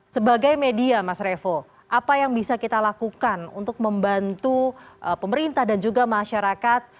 sebagai media mas revo apa yang bisa kita lakukan untuk membantu pemerintah dan juga masyarakat